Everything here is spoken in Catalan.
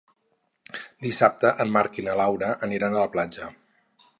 Dissabte en Marc i na Laura aniran a la platja.